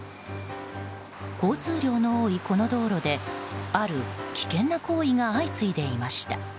交通量の多いこの道路である危険な行為が相次いでいました。